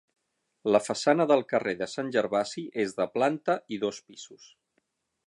La façana del carrer de Sant Gervasi és de planta i dos pisos.